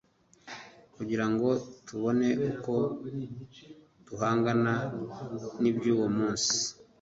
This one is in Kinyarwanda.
kugira ngo tubone uko duhangana n’iby’uwo munsi